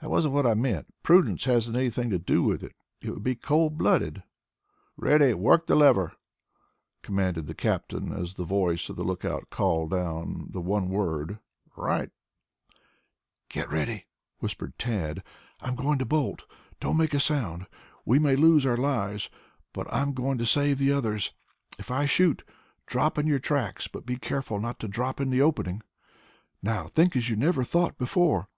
"That wasn't what I meant. Prudence hasn't anything to do with it. It would be cold blooded." "Ready! Work the lever," commanded the captain as the voice of the lookout called down the one word "Right!" "Get ready," whispered Tad. "I'm going to bolt. Don't make a sound. We may lose our lives, but I'm going to save the others. If I shoot, drop in your tracks, but be careful not to drop in the opening. Now think as you never thought before!"